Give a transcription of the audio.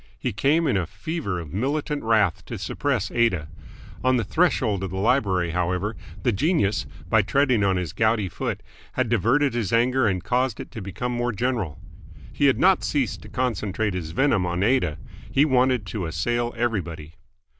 He came in a fever of militant wrath to suppress Aida. On the threshold of the library, however, the genius, by treading on his gouty foot, had diverted his anger and caused it to become more general. He had not ceased to concentrate his venom on Aida. He wanted to assail everybody.